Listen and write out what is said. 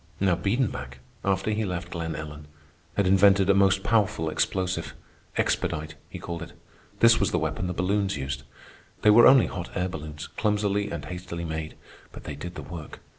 Now Biedenbach, after he left Glen Ellen, had invented a most powerful explosive—"expedite" he called it. This was the weapon the balloons used. They were only hot air balloons, clumsily and hastily made, but they did the work.